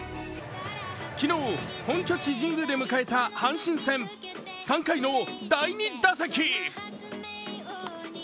昨日、本拠地・神宮で迎えた阪神戦。３回の第２打席。